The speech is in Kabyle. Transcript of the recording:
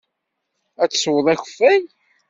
Ad teswed akeffay?